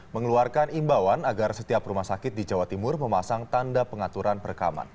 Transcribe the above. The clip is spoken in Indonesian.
mengeluarkan imbauan agar setiap rumah sakit di jawa timur memasang tanda pengaturan perekaman